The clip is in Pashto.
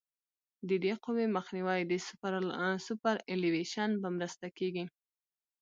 د دې قوې مخنیوی د سوپرایلیویشن په مرسته کیږي